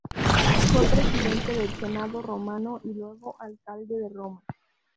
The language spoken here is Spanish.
Fue Presidente del Senado Romano y luego Alcalde de Roma.